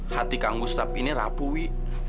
hati kang gustaf ini rapuh wi